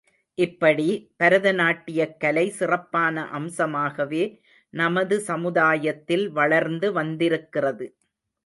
இப்படி, பரதநாட்டியக் கலை சிறப்பான அம்சமாகவே நமது சமுதாயத்தில் வளர்ந்து வந்திருக்கிறது.